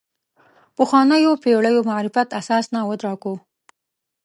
پخوانیو پېړیو معرفت اساس نه وټاکو.